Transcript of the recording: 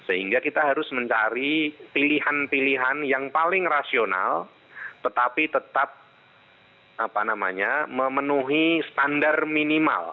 sehingga kita harus mencari pilihan pilihan yang paling rasional tetapi tetap memenuhi standar minimal